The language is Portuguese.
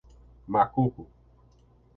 Macuco